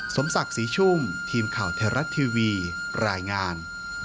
สมศักดิ์ศรีชุ่มทีมข่าวไทยรัฐทีวีรายงาน